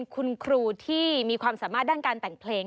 คุณครูที่มีความสามารถด้านการแต่งเพลง